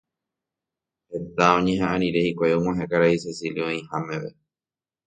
Heta oñeha'ã rire hikuái og̃uahẽ karai Cecilio oĩha meve.